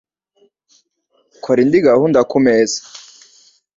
Kora indi gahunda kumeza